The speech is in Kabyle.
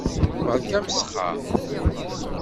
Berka amesxer.